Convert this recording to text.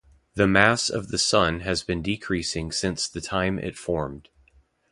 The mass of the Sun has been decreasing since the time it formed.